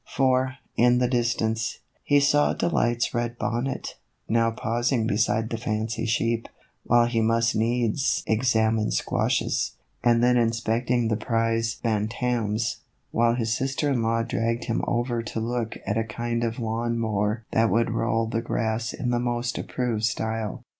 For, in the distance, he saw Delight's red bonnet, now pausing beside the fancy sheep, while he must needs examine squashes, and then inspecting the prize bantams, while his sister in law dragged him over to look at a kind of lawn mower that would roll the grass in the most approved style.